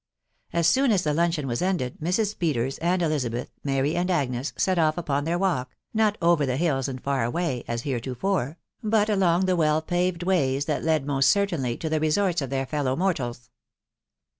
As soon as the luncheon wu ended, Mrs. Peters and Elizabeth, Mary and Agnes, set off upon their walk, not "over the hills, and far away," as heretofore, but along the well payed ways that led most certainly to the resorts of their fellow mortals.